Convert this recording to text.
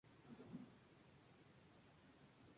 El jardín está dibujado a la francesa con un sabor barroco.